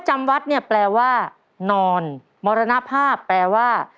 ตัวเลิกที่๔ครับอภาษ